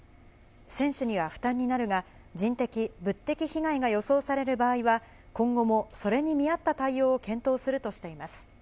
選手には負担になるが、人的・物的被害が予想される場合は、今後もそれに見合った対応を検討するとしています。